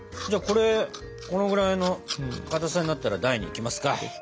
これこのぐらいのかたさになったら台に行きますか。